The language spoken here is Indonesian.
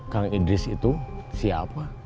kang idris itu siapa